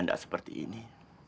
nggak seperti ini